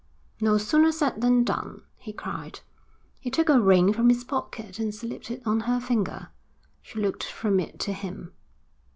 'No sooner said than done,' he cried. He took a ring from his pocket and slipped it on her finger. She looked from it to him.